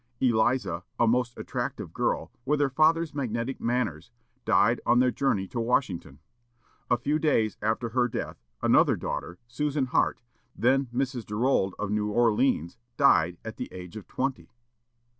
Eliza, a most attractive girl, with her father's magnetic manners, died on their journey to Washington. A few days after her death, another daughter, Susan Hart, then Mrs. Durolde of New Orleans, died, at the age of twenty.